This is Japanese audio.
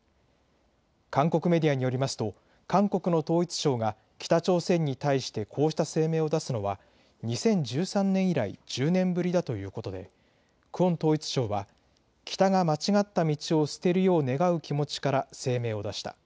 韓国メディアによりますと韓国の統一相が北朝鮮に対してこうした声明を出すのは２０１３年以来、１０年ぶりだということで、クォン統一相は北が間違った道を捨てるよう願う気持ちから声明を出した。